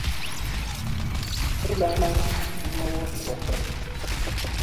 Pfú láa, ŋə́ woghʼ ngəkhwoŋ.